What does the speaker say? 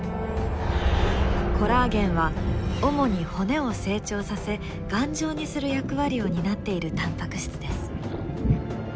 コラーゲンは主に骨を成長させ頑丈にする役割を担っているタンパク質です。